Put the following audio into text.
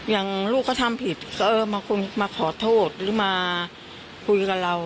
อย่างลูกเขาทำผิดก็เออมาขอโทษหรือมาคุยกับเรา